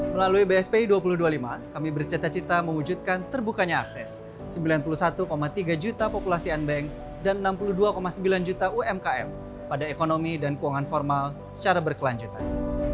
melalui bspi dua ribu dua puluh lima kami bercita cita mewujudkan terbukanya akses sembilan puluh satu tiga juta populasi unbank dan enam puluh dua sembilan juta umkm pada ekonomi dan keuangan formal secara berkelanjutan